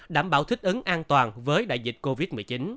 đảm bảo thích ứng an toàn với đại dịch covid một mươi chín